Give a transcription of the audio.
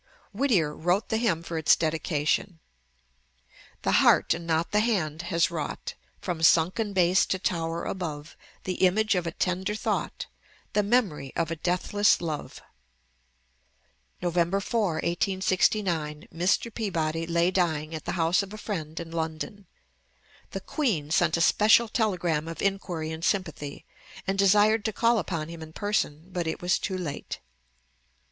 Whittier wrote the hymn for its dedication: "The heart, and not the hand, has wrought, From sunken base to tower above, The image of a tender thought, The memory of a deathless love." Nov. 4, 1869, Mr. Peabody lay dying at the house of a friend in London. The Queen sent a special telegram of inquiry and sympathy, and desired to call upon him in person; but it was too late.